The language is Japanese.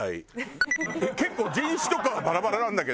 結構人種とかはバラバラなんだけど。